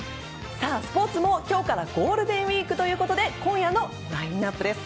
スポーツも今日からゴールデンウィークということで今夜のラインナップです。